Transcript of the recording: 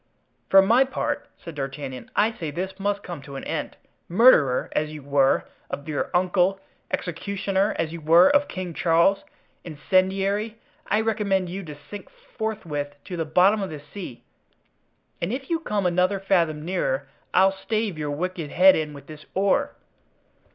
"For my part," said D'Artagnan, "I say this must come to an end; murderer, as you were, of your uncle! executioner, as you were, of King Charles! incendiary! I recommend you to sink forthwith to the bottom of the sea; and if you come another fathom nearer, I'll stave your wicked head in with this oar."